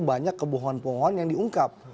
banyak kebohongan pohon yang diungkap